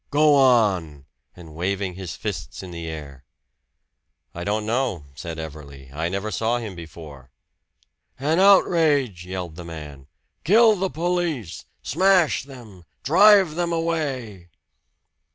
Go on!" and waving his fists in the air. "I don't know," said Everley. "I never saw him before." "An outrage!" yelled the man. "Kill the police! Smash them! Drive them away!"